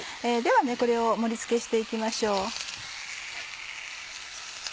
ではこれを盛り付けして行きましょう。